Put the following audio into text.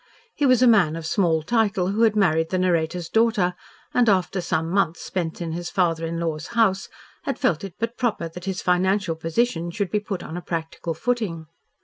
He was a man of small title, who had married the narrator's daughter, and after some months spent in his father in law's house, had felt it but proper that his financial position should be put on a practical footing.